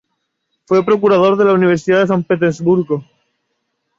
Fue procurador de la Universidad de San petersburgo.